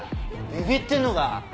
ビビッてんのか？